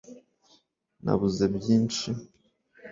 nabuze byinshi